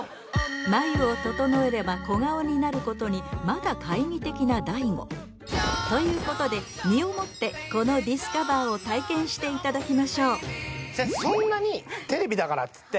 眉を整えれば小顔になることにまだ懐疑的な大悟ということで身をもってこのディスカバーを体験していただきましょう